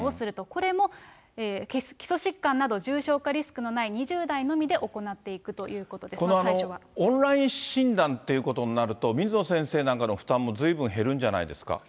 これも基礎疾患など重症化リスクのない２０代のみで行っていくとオンライン診断っていうことになると、水野先生なんかの負担もずいぶん減るんじゃないですか。